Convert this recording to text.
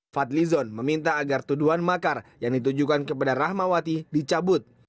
fadli zon meminta agar tuduhan makar yang ditujukan kepada rahmawati dicabut